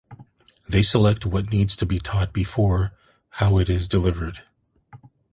They select what needs to be taught before how it is delivered.